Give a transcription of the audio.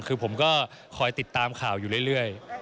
คือผมก็คอยติดตามข่าวอยู่เรื่อย